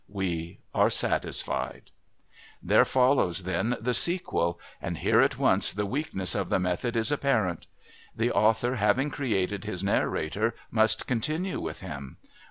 We are satisfied. There follows then the sequel, and here at once the weakness of the method is apparent. The author having created his narrator must continue with him.